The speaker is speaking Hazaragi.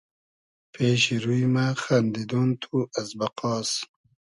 پېشی روی مۂ خئندیدۉن تو از بئقاس